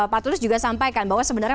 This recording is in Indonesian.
pak tulus juga sampaikan bahwa sebenarnya